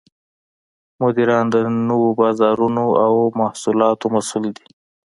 مدیران د نوو بازارونو او محصولاتو مسوول دي.